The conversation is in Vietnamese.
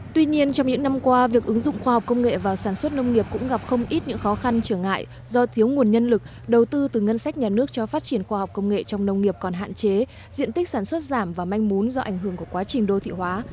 tuy nhiên trong những năm qua việc ứng dụng khoa học công nghệ vào sản xuất nông nghiệp cũng gặp không ít những khó khăn trở ngại do thiếu nguồn nhân lực đầu tư từ ngân sách nhà nước cho phát triển khoa học công nghệ trong nông nghiệp còn hạn chế diện tích sản xuất giảm và manh mún do ảnh hưởng của quá trình đô thị hóa